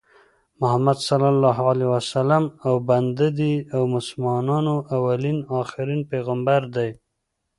محمد د الله رسول او بنده دي او مسلمانانو اولين اخرين پیغمبر دي